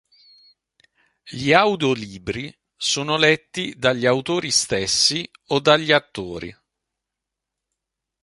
Gli audiolibri sono letti dagli autori stessi o dagli attori.